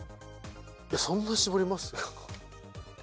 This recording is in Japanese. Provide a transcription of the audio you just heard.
そんな絞れます？